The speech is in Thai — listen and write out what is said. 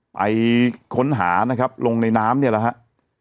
ไปค้นหานะครับลงในน้ำเนี่ยแหละครับ